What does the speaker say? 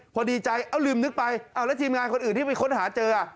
พอดีใจเอ้าลืมนึกไปแล้วทีมงานคนอื่นที่ไปค้นหาเจอ